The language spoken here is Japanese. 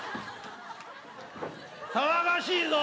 騒がしいぞ。